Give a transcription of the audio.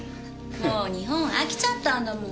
もう日本飽きちゃったんだもん。